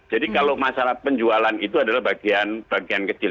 jadi kalau masalah penjualan itu adalah bagian bagian kecil